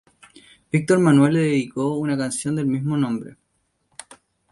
Víctor Manuel le dedicó una canción de mismo nombre.